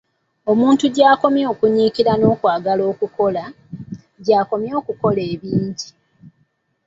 Omuntu gy'akomya okunyiikira n'okwagala okukola, gy'akomya okukola ebingi.